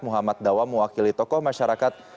muhammad dawam mewakili tokoh masyarakat